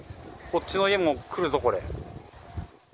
こっちの家もくるぞ、これ。